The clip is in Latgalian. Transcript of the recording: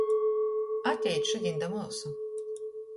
Atejit šudiņ da myusu!